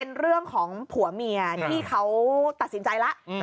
เป็นเรื่องของผัวเมียที่เขาตัดสินใจแล้ว